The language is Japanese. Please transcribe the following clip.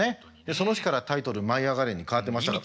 その日からタイトル「舞いあがれ！」に変わってましたから。